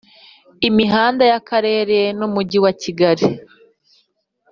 Imihanda y’Akarere n’Umujyi wa Kigali